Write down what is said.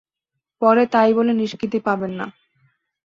পরে তাই বলে নিষ্কৃতি পাবেন না।